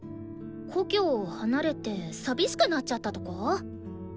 故郷を離れて寂しくなっちゃったとか？